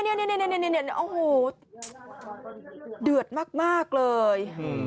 เดือดมากเลย